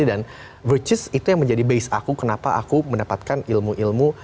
dan virtues itu yang menjadi base aku kenapa aku mendapatkan ilmu ilmu